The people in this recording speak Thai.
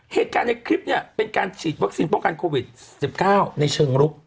เหตุการณ์ในคลิปเนี่ยเป็นการฉีดวัคซีนป้องกันโควิด๑๙ในเชิงลุก